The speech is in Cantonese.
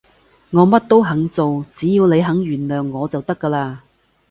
我乜都肯做，只要你肯原諒我就得㗎喇